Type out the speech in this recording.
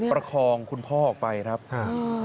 ประคองคุณพ่อออกไปครับค่ะ